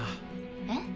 えっ？